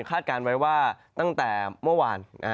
การไว้ว่าตั้งแต่เมื่อวาน